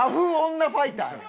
女ファイターやん。